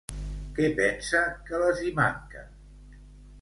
Què pensa que les hi manca?